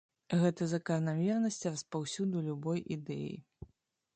Гэта заканамернасць распаўсюду любой ідэі.